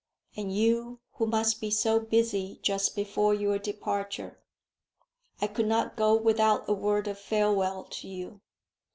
And you who must be so busy just before your departure!" "I could not go without a word of farewell to you."